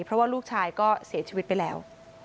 เพราะว่าลูกชายก็เสียชีวิตไปแล้ว